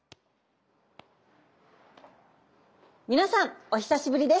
皆さんお久しぶりです。